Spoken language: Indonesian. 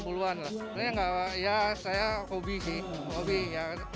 sebenarnya saya hobi sih